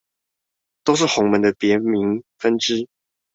都是洪門的別名分支